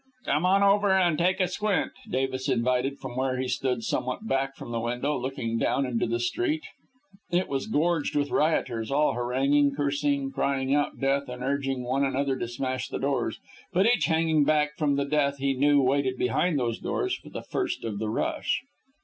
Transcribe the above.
"Come on over and take a squint," Davies invited from where he stood, somewhat back from the window, looking down into the street. It was gorged with rioters, all haranguing, cursing, crying out death, and urging one another to smash the doors, but each hanging back from the death he knew waited behind those doors for the first of the rush.